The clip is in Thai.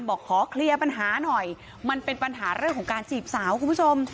บอกขอเคลียร์ปัญหาหน่อยมันเป็นปัญหาเรื่องของการจีบสาวคุณผู้ชม